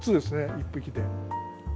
１匹で。